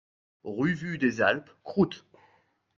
Rue Vue des Alpes, Kruth